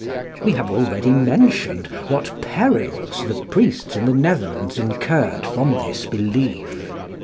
We have already mentioned what perils the priests in the Netherlands incurred from this belief.